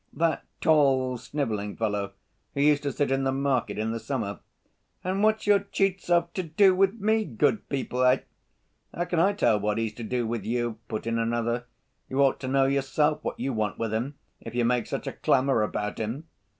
"That tall, sniveling fellow who used to sit in the market in the summer." "And what's your Tchizhov to do with me, good people, eh?" "How can I tell what he's to do with you?" put in another. "You ought to know yourself what you want with him, if you make such a clamor about him.